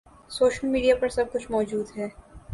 social media پر سب کچھ موجود ہے